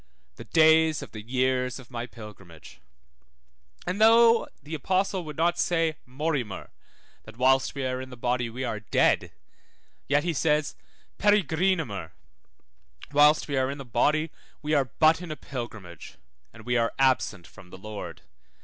The days of the years of my pilgrimage. 1212 Gen. 47:9. And though the apostle would not say morimur, that whilst we are in the body we are dead, yet he says, perigrinamur, whilst we are in the body we are but in a pilgrimage, and we are absent from the Lord: 1313 2 Cor.